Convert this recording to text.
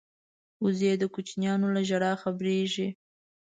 وزې د کوچنیانو له ژړا خبریږي